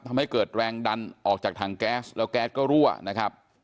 ทำให้เกิดแรงดันออกจากถังแก๊สแล้วแก๊สก็รั่วนะครับ